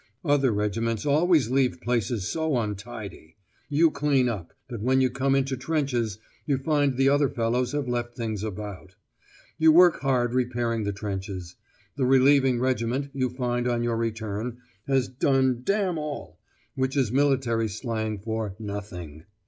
Other regiments always leave places so untidy. You clean up, but when you come into trenches you find the other fellows have left things about. You work hard repairing the trenches: the relieving regiment, you find on your return, has done 'damn all,' which is military slang for 'nothing.